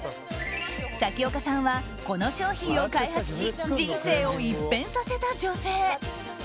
咲丘さんは、この商品を開発し人生を一変させた女性。